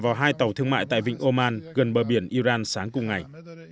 vào hai tàu thương mại tại vịnh oman gần bờ biển iran sáng cùng ngày